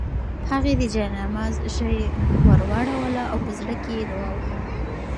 هغې د جاینماز ژۍ ورواړوله او په زړه کې یې دعا وکړه.